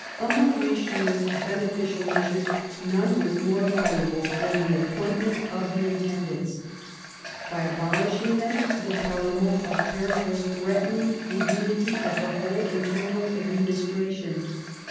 Among Eichelieu's beneficial measures none was more valuable than the appointment of the intendants. By abolishing them the parlement of Paris was threatening the unity of the whole internal administration.